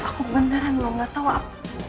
aku beneran lo gak tahu apa